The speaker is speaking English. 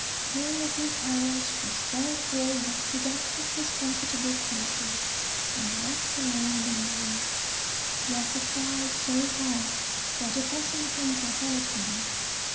Poor little Paris was therefore lifted out of his comfortable cradle, and left alone in the woods, where he cried so hard that a passing hunter heard him.